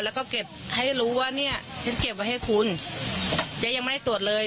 แล้วก็เก็บให้รู้ว่าเนี่ยฉันเก็บไว้ให้คุณเจ๊ยังไม่ได้ตรวจเลย